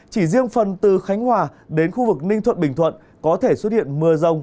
chỉ riêng phần từ khánh hòa đến khu vực ninh thuận bình thuận có thể xuất hiện mưa rông